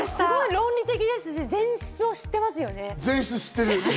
論理的ですし、前室を知ってますね。